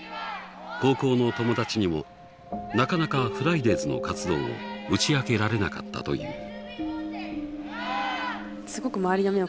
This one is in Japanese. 高校の友達にもなかなかフライデーズの活動を打ち明けられなかったという。